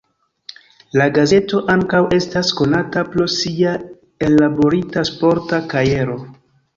La gazeto ankaŭ estas konata pro sia ellaborita sporta kajero.